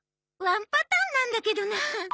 ワンパターンなんだけどなあ。